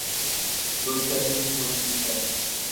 جو چیلنج موجود ہے۔